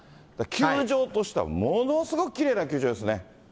球場としてはものすごくきれいな球場ですね。